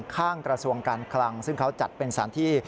กระทรวงการคลังซึ่งเขาจัดเป็นสถานที่